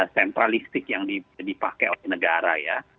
sentralistik yang dipakai oleh negara ya